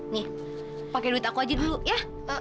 nih pakai duit aku aja dulu ya